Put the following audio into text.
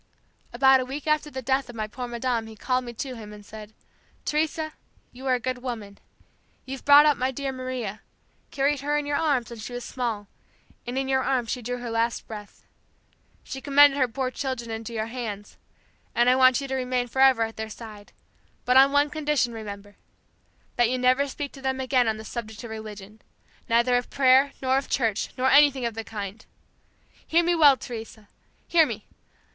"About a week after the death of my poor madame he called me to him and said, 'Teresa, you are a good woman. You've brought up my dear Maria, carried her in your arms when she was small, and in your arms she drew her last breath. She commended her poor children into your hands, and I want you to remain forever at their side, but on one condition, remember that you never speak to them again on the subject of religion, neither of prayer, nor of church, nor anything of the kind. Hear me well, Teresa! Hear me!